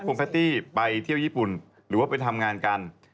คุณแพตตี้ไปเที่ยวญี่ปุ่นหรือว่าไปทำงานกัน